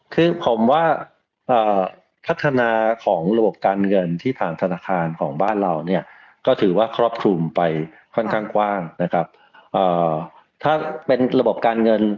คือผมว่าพัฒนาของระบบการเงินที่ผ่านสถานการณ์ของบ้านเราเนี่ย